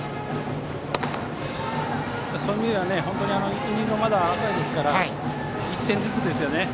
そういう意味ではイニングはまだ浅いですから１点ずつですよね。